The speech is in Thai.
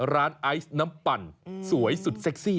ไอซ์น้ำปั่นสวยสุดเซ็กซี่